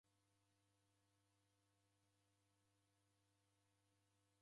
Nafuma mbuw'enyi